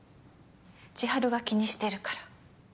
千晴が気にしてるから。